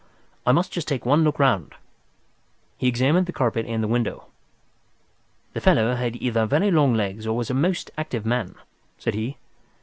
I must just take one look round." He examined the carpet and the window. "The fellow had either very long legs or was a most active man," said he.